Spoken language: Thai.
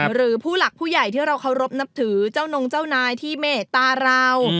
หรือผู้หลักผู้ใหญ่ที่เราเคารพนับถือเจ้านงเจ้านายที่เมตตาเรา